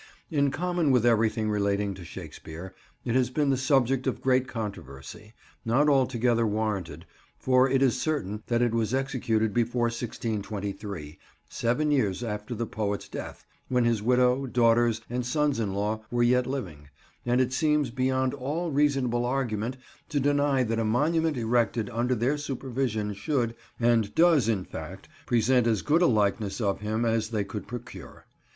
In common with everything relating to Shakespeare, it has been the subject of great controversy: not altogether warranted, for it is certain that it was executed before 1623, seven years after the poet's death, when his widow, daughters and sons in law were yet living, and it seems beyond all reasonable argument to deny that a monument erected under their supervision should, and does, in fact, present as good a likeness of him as they could procure.